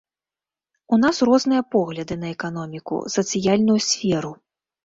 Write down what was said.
У нас розныя погляды на эканоміку, сацыяльную сферу.